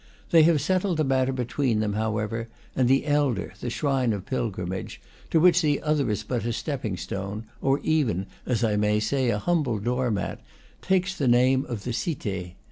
They have settled the matter be tween them, however, and the elder, the shrine of pilgrimage, to which the other is but a stepping stone, or even, as I may say, a humble door mat, takes the name of the Cite.